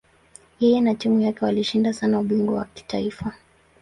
Yeye na timu yake walishinda sana ubingwa wa kitaifa.